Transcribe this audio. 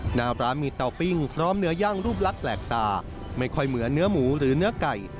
หน้าร้านมีเตาปิ้งพร้อมเนื้อย่างรูปลักษณ์แปลกตาไม่ค่อยเหมือนเนื้อหมูหรือเนื้อไก่